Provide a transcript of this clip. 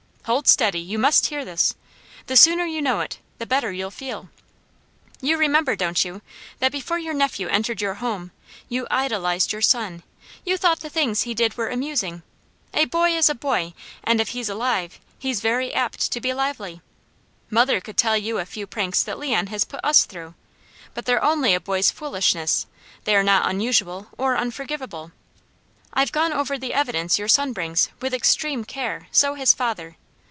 Hold steady! You must hear this! The sooner you know it, the better you'll feel. You remember, don't you, that before your nephew entered your home, you idolized your son. You thought the things he did were amusing. A boy is a boy, and if he's alive, he's very apt to be lively. Mother could tell you a few pranks that Leon has put us through; but they're only a boy's foolishness, they are not unusual or unforgivable. I've gone over the evidence your son brings, with extreme care, so has father.